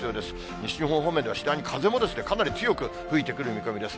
西日本方面では次第に風もかなり強く吹いてくる見込みです。